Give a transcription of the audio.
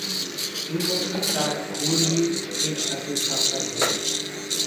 এই বছরই তার বুরলিউক-এর সাথে সাক্ষাত ঘটে।